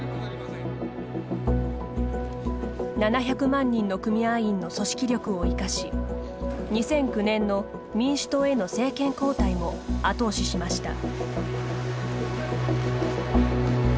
７００万人の組合員の組織力を生かし２００９年の民主党への政権交代も後押ししました。